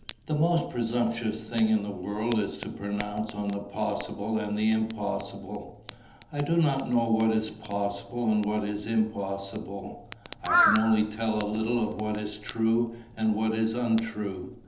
"The most presumptuous thing in the world is to pronounce on the possible and the impossible. I do not know what is possible and what is impossible. I can only tell a little of what is true and what is untrue.